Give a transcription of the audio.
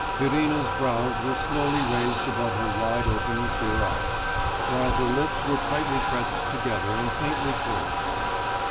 Irina's brows were slowly raised above her wide open clear eyes, while her lips were tightly pressed together and faintly curved.